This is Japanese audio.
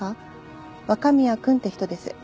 若宮君って人です